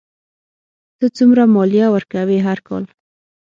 ته څومره مالیه ورکوې هر کال؟